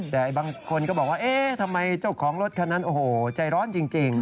แต่บางคนก็บอกว่าเอ๊ะทำไมเจ้าของรถคันนั้นโอ้โหใจร้อนจริง